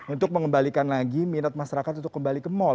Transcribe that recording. untuk mengembalikan lagi minat masyarakat untuk kembali ke mal